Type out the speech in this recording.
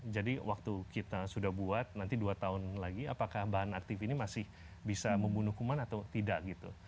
jadi waktu kita sudah buat nanti dua tahun lagi apakah bahan aktif ini masih bisa membunuh kuman atau tidak gitu